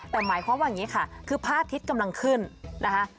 แต่หมายความว่าอย่างนี้ค่ะคือพระอาทิตย์กำลังขึ้นนะคะ